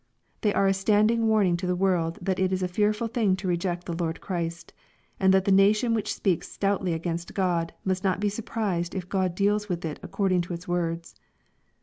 They are a standing warning to the world that it is a fearful thing to reject the Lord Christ, and that the nation which speaks stoutly against God, must not be surprised if God deals with it according to its words.